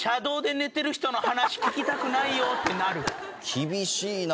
厳しいな。